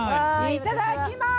いただきます！